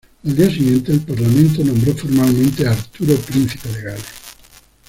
Al día siguiente el Parlamento nombró formalmente a Arturo príncipe de Gales.